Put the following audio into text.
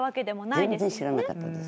全然知らなかったです。